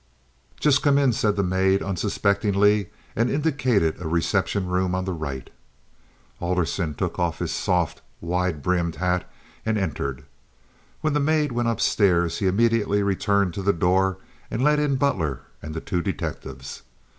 "Just come in," said the maid, unsuspectingly, and indicated a reception room on the right. Alderson took off his soft, wide brimmed hat and entered. When the maid went up stairs he immediately returned to the door and let in Butler and two detectives.